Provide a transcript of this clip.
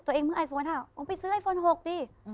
ตัวเองมึงไอฟโฟน๕ออกไปซื้อไอฟโฟน๖ดิ